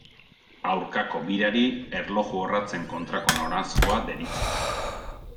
Aurkako birari, erloju orratzen kontrako noranzkoa deritzo.